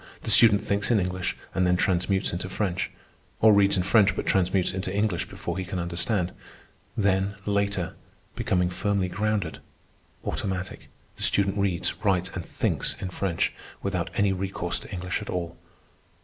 The student thinks in English and then transmutes into French, or reads in French but transmutes into English before he can understand. Then later, becoming firmly grounded, automatic, the student reads, writes, and thinks in French, without any recourse to English at all.